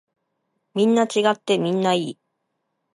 みんな違ってみんないい。